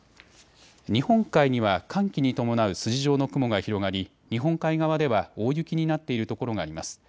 日本海には寒気に伴う筋状の雲が広がり日本海側では大雪になっているところがあります。